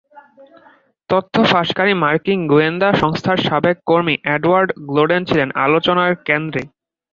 তথ্য ফাঁসকারী মার্কিন গোয়েন্দা সংস্থার সাবেক কর্মী অ্যাডওয়ার্ড স্নোডেন ছিলেন আলোচনার কেন্দ্রে।